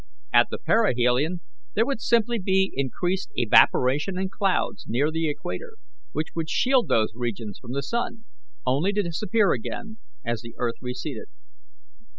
At perihelion there would simply be increased evaporation and clouds near the equator, which would shield those regions from the sun, only to disappear again as the earth receded.